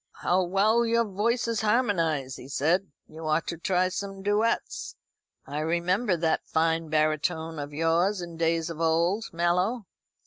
"How well your voices harmonise," he said. "You ought to try some duets. I remember that fine baritone of yours in days of old, Mallow."